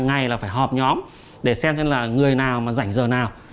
hàng ngày là phải họp nhóm để xem là người nào mà rảnh giờ nào